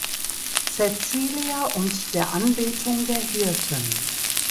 Cäcilia und der Anbetung der Hirten.